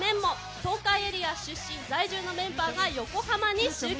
東海エリア出身、在住のメンバーが横浜に集結。